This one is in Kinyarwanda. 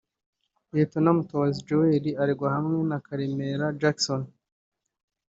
Lt Mutabazi Joel aregwa hamwe na Karemera Jackson